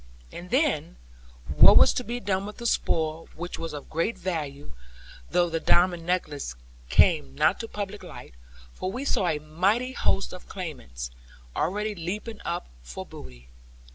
And then, what was to be done with the spoil, which was of great value; though the diamond necklace came not to public light? For we saw a mighty host of claimants already leaping up for booty.